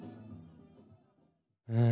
うん。